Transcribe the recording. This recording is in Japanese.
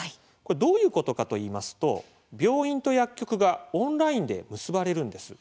どういうことかといいますと病院と薬局がオンラインで結ばれるんです。